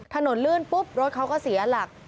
ลื่นปุ๊บรถเขาก็เสียหลัก